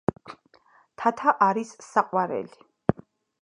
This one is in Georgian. თათა არის საყვარელი!